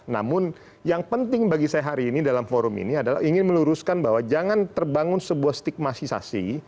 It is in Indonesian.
namun yang penting bagi saya hari ini dalam forum ini adalah ingin meluruskan bahwa jangan terbangun sebuah stigmatisasi